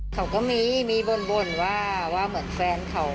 เขาก็มีมีบ่นว่าเหมือนแฟนเขา